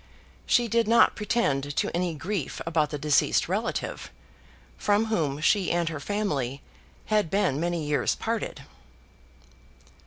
She did not pretend to any grief about the deceased relative, from whom she and her family had been many years parted.